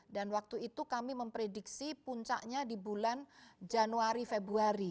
dan waktu itu kami memprediksi puncaknya di bulan januari februari